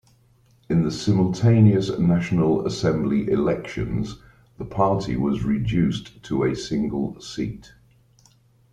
In the simultaneous National Assembly elections, the party was reduced to a single seat.